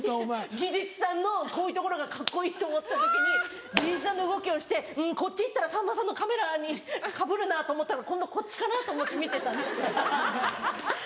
技術さんのこういうところがカッコいいと思った時に技術さんの動きをしてこっち行ったらさんまさんのカメラにかぶるなと思ったから今度こっちかなと思って見てたんです。